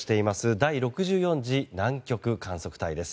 第６４次南極観測隊です。